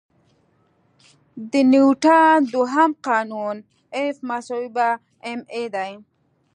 د نیوټن دوهم قانون F=ma دی.